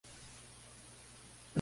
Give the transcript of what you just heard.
Es una fuente sans-serif y gótica.